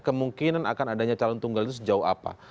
kemungkinan akan adanya calon tunggal itu sejauh apa